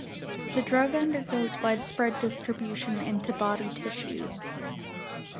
The drug undergoes widespread distribution into body tissues.